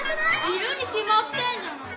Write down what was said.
いるにきまってんじゃないか。